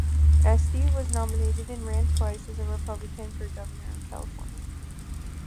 Estee was nominated and ran twice as a Republican for Governor of California.